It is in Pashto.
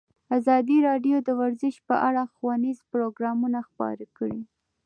ازادي راډیو د ورزش په اړه ښوونیز پروګرامونه خپاره کړي.